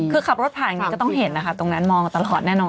คือขับรถผ่านอย่างนี้ก็ต้องเห็นนะคะตรงนั้นมองตลอดแน่นอน